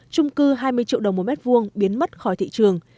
trung cư hai mươi triệu đồng một mét vuông biến mất khỏi thị trường